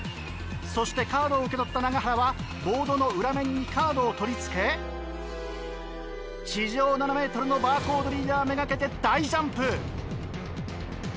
そしてカードを受け取った永原はボードの裏面にカードを取り付け地上７ｍのバーコードリーダーめがけて大ジャンプ！